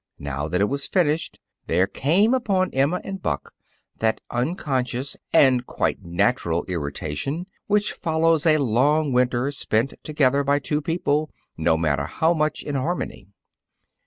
Now that it was finished, there came upon Emma and Buck that unconscious and quite natural irritation which follows a long winter spent together by two people, no matter how much in harmony.